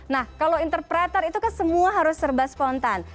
nah kalau interpreter itu kan semua harus serba spontan